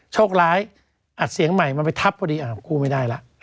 โชคร้ายอัดเสียงใหม่มันไปทับพอดีอ้าวกู้ไม่ได้ละ